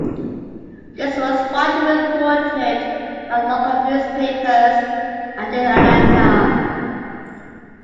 This was widely reported by local newspapers and in Atlanta.